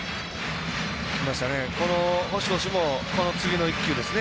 この星投手も次の１球ですね。